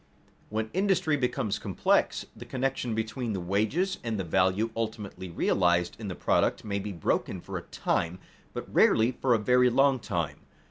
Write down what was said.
When industry becomes complex, the connection between the wages and the value ultimately realized in the product may be broken for a time, but rarely for a very long time.